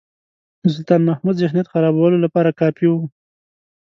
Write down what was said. د سلطان محمود ذهنیت خرابولو لپاره کافي وو.